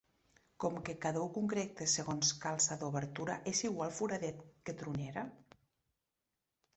Com que cada u concreta segons calça d'obertura, és igual foradet que tronera?